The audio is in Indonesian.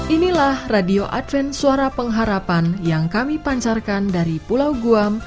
inilah radio adven suara pengharapan yang kami pancarkan dari pulau guam